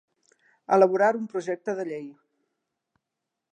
Elaborar un projecte de llei.